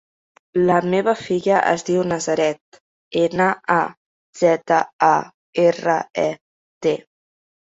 La meva filla es diu Nazaret: ena, a, zeta, a, erra, e, te.